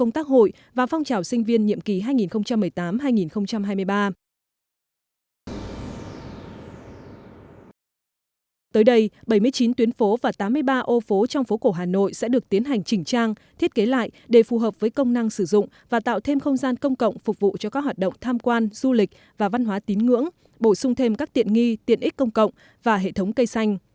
tới đây bảy mươi chín tuyến phố và tám mươi ba ô phố trong phố cổ hà nội sẽ được tiến hành chỉnh trang thiết kế lại để phù hợp với công năng sử dụng và tạo thêm không gian công cộng phục vụ cho các hoạt động tham quan du lịch và văn hóa tín ngưỡng bổ sung thêm các tiện nghi tiện ích công cộng và hệ thống cây xanh